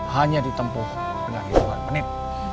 hanya ditempuh dengan hitungan menit